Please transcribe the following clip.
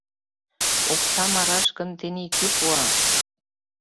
Оксам араш гын, тений кӧ пуа?